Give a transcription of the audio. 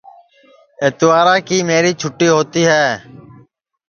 اتوارا کی میری چھوٹی ہؤتی ہے